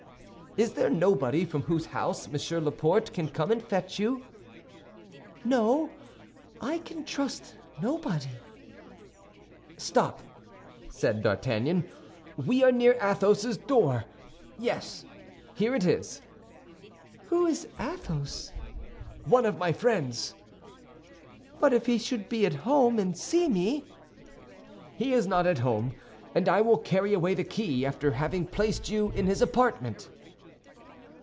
"Is there nobody from whose house Monsieur Laporte can come and fetch you?" "No, I can trust nobody." "Stop," said D'Artagnan; "we are near Athos's door. Yes, here it is." "Who is this Athos?" "One of my friends." "But if he should be at home and see me?" "He is not at home, and I will carry away the key, after having placed you in his apartment."